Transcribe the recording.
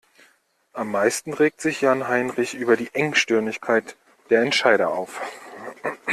Am meisten regt sich Jan-Heinrich über die Engstirnigkeit der Entscheider auf.